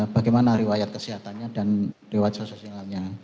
bagaimana riwayat kesehatannya dan riwayat sosialnya